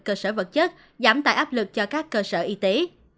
cơ sở vật chất giảm tài áp lực cho các cơ sở y tế